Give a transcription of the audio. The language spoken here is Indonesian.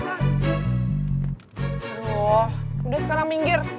aduh udah sekarang minggir